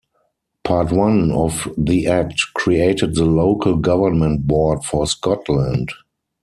Part One of the act created the 'Local Government Board for Scotland'.